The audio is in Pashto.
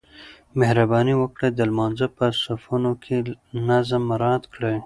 مهرباني وکړئ د لمانځه په صفونو کې نظم مراعات کړئ.